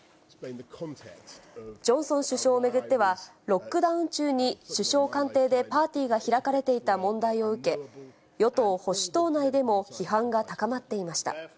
ジョンソン首相を巡っては、ロックダウン中に首相官邸でパーティーが開かれていた問題を受け、与党・保守党内でも批判が高まっていました。